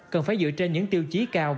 cần phải dựa trên những tiêu chí cao